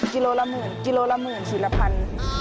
กิโลละหมื่นสีละพัน